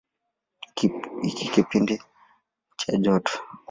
Hiki ni kipindi cha joto.